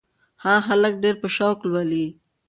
هغه هلک ډېر په شوق لولي.